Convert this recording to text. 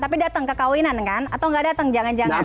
tapi datang ke kawinan kan atau nggak datang jangan jangan